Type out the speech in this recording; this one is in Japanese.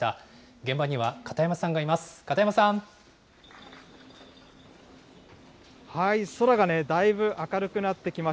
現場には片山さんがいます。